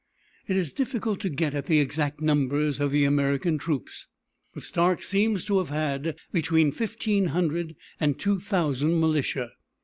It is difficult to get at the exact numbers of the American troops, but Stark seems to have had between fifteen hundred and two thousand militia.